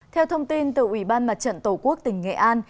theo thông tin từ ủy ban mặt trận tổ quốc tỉnh nghệ an